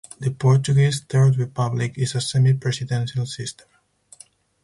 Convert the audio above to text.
The Portuguese Third Republic is a semi-presidential system.